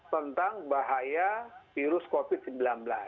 tentang bahaya virus covid sembilan belas